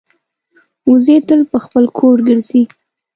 وزې تل پر خپل کور ګرځي